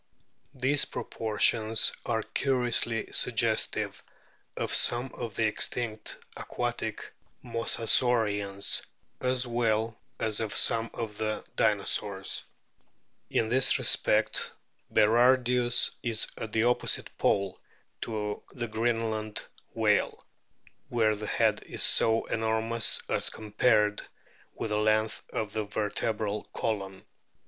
These proportions are curiously suggestive of some of the extinct aquatic Mosasaurians, as well as of some of the Dinosaurs. BEAKED WHALES 231 In this respect Berardius is at the opposite pole to the Greenland whale, where the head is so enormous as compared with the length of the vertebral column.